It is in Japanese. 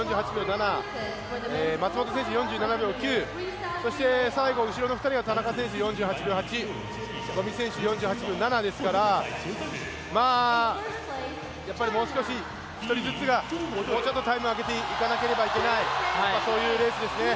７松元選手は４７秒９そして、田中選手が４８秒８五味選手４８秒７ですからもう少し、１人ずつがもうちょっとタイムを上げていかなければいけないそういうレースですね。